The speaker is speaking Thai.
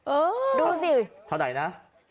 เออดูสิเท่าไหร่นะ